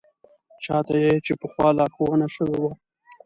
چا ته چې پخوا لارښوونه شوې وه.